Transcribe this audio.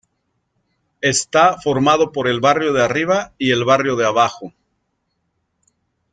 Está formado por el Barrio de Arriba y el Barrio de Abajo.